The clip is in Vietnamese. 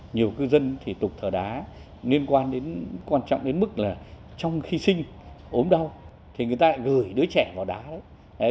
nhiều cư dân thì tục thờ đá liên quan đến quan trọng đến mức là trong khi sinh ốm đau thì người ta lại gửi đứa trẻ vào đá đấy